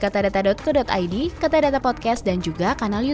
hanya ada pak jokowi